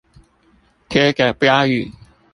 貼著標語